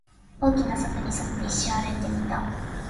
大きな柵に沿って、一周歩いてみた